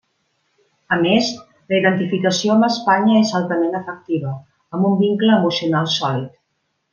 A més, la identificació amb Espanya és altament afectiva, amb un vincle emocional sòlid.